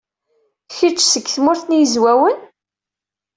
Kečč seg Tmurt n Yizwawen?